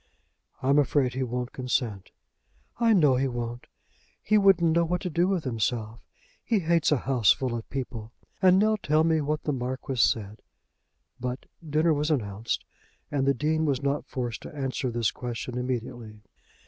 "I'm afraid he won't consent." "I know he won't. He wouldn't know what to do with himself. He hates a house full of people. And now tell me what the Marquis said." But dinner was announced, and the Dean was not forced to answer this question immediately.